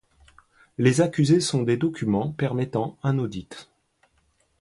Les accusés sont des documents permettant un audit.